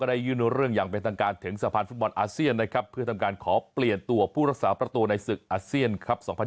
ในศึกอาเซียนครับ๒๐๒๐